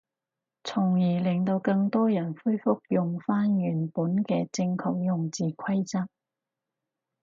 從而令到更多人恢復用返原本嘅正確用字規則